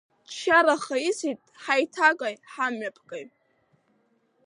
Ччараха исит ҳаиҭагаҩҳамҩаԥгаҩ.